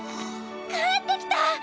帰ってきた！